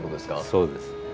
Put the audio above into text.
そうです。